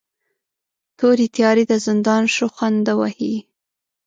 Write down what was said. تورې تیارې د زندان شخوند وهي